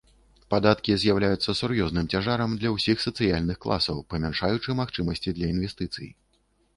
Падаткі з'яўляюцца сур'ёзным цяжарам для ўсіх сацыяльных класаў, памяншаючы магчымасці для інвестыцый.